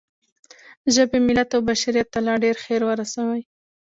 ژبې، ملت او بشریت ته لا ډېر خیر ورسوئ.